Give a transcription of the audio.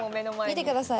見てください。